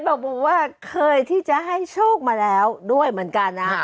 บอกว่าเคยที่จะให้โชคมาแล้วด้วยเหมือนกันนะ